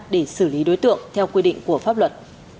để xử lý đối tượng theo quy định của pháp luật